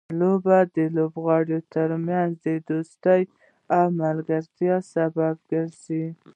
لوبې د لوبغاړو ترمنځ دوستۍ او ملګرتیا سبب ګرځي.